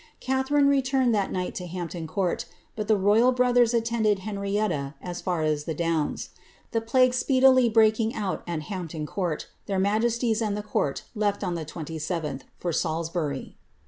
Catharine returned that night to Hampton Court, but the royal brothers attended Henrietta as far as the Downs. The plague speedily breaking out at Hampton Court, their majesties and the court left on the 27th, for Salisbury.